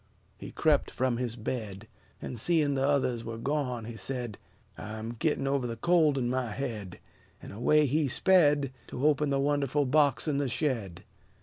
He crept from his bed; And, seeing the others were gone, he said, "I'm gittin' over the cold'n my head." And away he sped, To open the wonderful box in the shed.